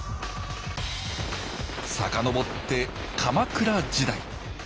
遡って鎌倉時代。